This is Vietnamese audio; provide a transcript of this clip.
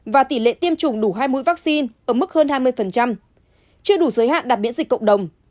và tỷ lệ tiêm chủng đủ hai mũi vaccine ở mức hơn hai mươi chưa đủ giới hạn đặt miễn dịch cộng đồng